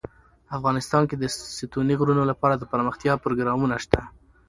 افغانستان کې د ستوني غرونه لپاره دپرمختیا پروګرامونه شته.